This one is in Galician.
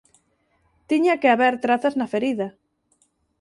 Tiña que haber trazas na ferida.